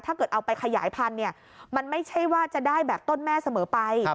ถ้าเกิดเอาไปขยายพันธุ์มันไม่ใช่ว่าจะได้แบบต้นแม่เสมอไป